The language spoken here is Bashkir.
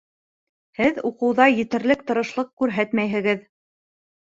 Һеҙ уҡыуҙа етерлек тырышлыҡ күрһәтмәйһегеҙ